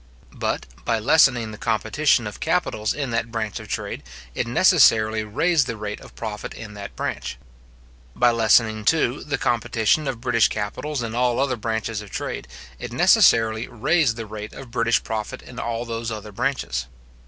But, by lessening the competition of capitals in that branch of trade, it necessarily raised the rate of profit in that branch. By lessening, too, the competition of British capitals in all other branches of trade, it necessarily raised the rate of British profit in all those other branches.